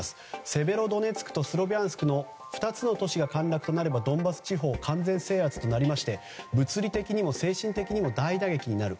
セベロドネツクとスロビャンスクの２つの都市が陥落となればドンバス地方は完全制圧となりまして物理的にも精神的にも大打撃になる。